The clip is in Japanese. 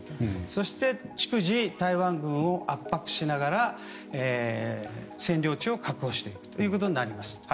そして逐次台湾軍を圧迫しながら占領地を確保していくということになります。